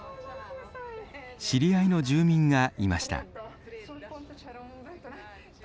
知り合いの住民がいました。